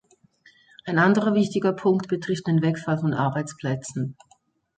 Ein anderer wichtiger Punkt betrifft den Wegfall von Arbeitsplätzen.